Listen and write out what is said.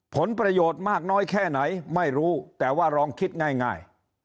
ผลประโยชน์มากน้อยแค่ไหนไม่รู้แต่ว่าลองคิดง่าย